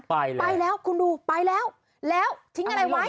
ไปแล้วไปแล้วคุณดูไปแล้วแล้วทิ้งอะไรไว้